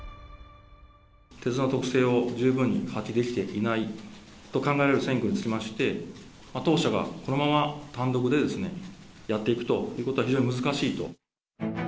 鉄道の特性を十分に発揮できていないと考えられる路線につきまして、当社がこのまま単独でやっていくということは非常に難しいと。